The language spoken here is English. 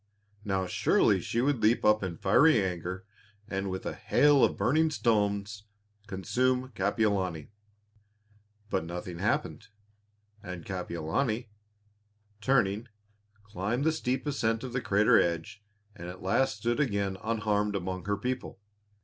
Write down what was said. Now surely she would leap up in fiery anger, and, with a hail of burning stones, consume Kapiolani. But nothing happened; and Kapiolani, turning, climbed the steep ascent of the crater edge and at last stood again unharmed among her people.